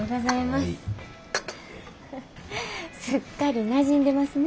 すっかりなじんでますね。